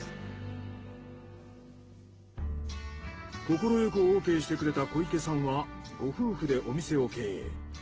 快くオーケーしてくれた小池さんはご夫婦でお店を経営。